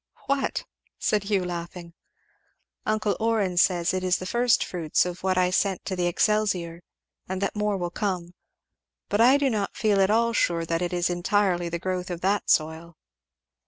"What?" said Hugh laughing. "Uncle Orrin says it is the first fruits of what I sent to the 'Excelsior,' and that more will come; but I do not feel at all sure that it is entirely the growth of that soil."